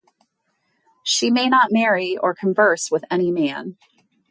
She may not marry or converse with any man.